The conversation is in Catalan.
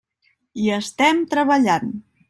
Hi estem treballant.